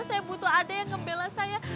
saya butuh ada yang ngebela saya